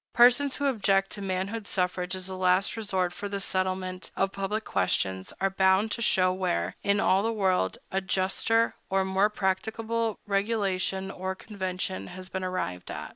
Persons who object to manhood suffrage as the last resort for the settlement of public questions are bound to show where, in all the world, a juster or more practicable regulation or convention has been arrived at.